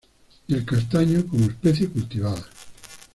Y el castaño, como especie cultivada.